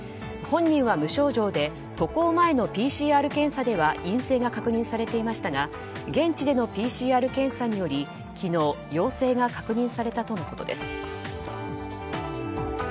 本人は無症状で渡航前のＰＣＲ検査では陰性が確認されていましたが現地でのＰＣＲ検査により昨日陽性が確認されたとのことです。